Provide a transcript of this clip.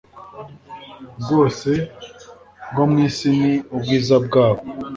bwose bwo mu isi n ubwiza bwabwo